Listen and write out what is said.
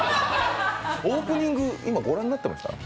オープニング、今、ご覧になってました？